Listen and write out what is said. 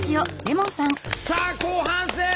さあ後半戦！